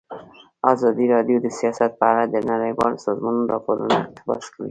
ازادي راډیو د سیاست په اړه د نړیوالو سازمانونو راپورونه اقتباس کړي.